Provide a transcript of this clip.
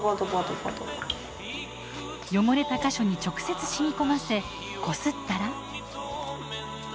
汚れた箇所に直接染み込ませこすったら。